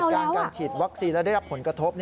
ก็เหตุการณ์การฉีดวัคซีนแล้วได้รับผลกระทบ